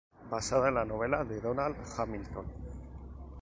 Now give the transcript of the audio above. Basada en la novela de Donald Hamilton.